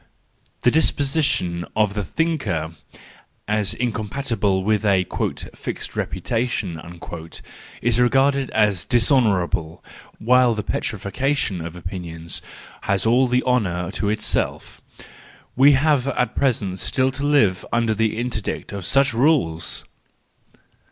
The disposition of the thinker, as incompatible with 232 THE JOYFUL WISDOM, IV a u fixed reputation," is regarded as dishonourable> while the petrifaction of opinions has all the honour to itself:—we have at present still to live under the interdict of such rules